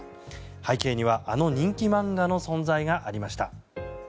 背景にはあの人気漫画の存在がありました。